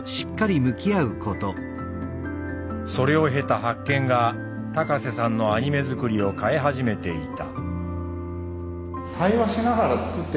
それを経た発見が高瀬さんのアニメ作りを変え始めていた。